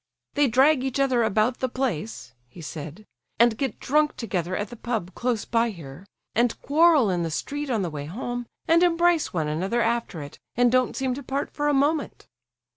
"They drag each other about the place," he said, "and get drunk together at the pub close by here, and quarrel in the street on the way home, and embrace one another after it, and don't seem to part for a moment."